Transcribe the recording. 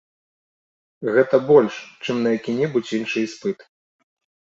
Гэта больш, чым на які-небудзь іншы іспыт.